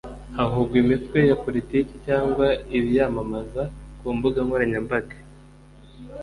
havugwaga imitwe ya politiki cyangwa ibiyamamaza kumbuga nkoranyambaga.